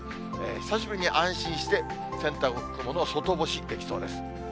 久しぶりに安心して、洗濯物を外干しできそうです。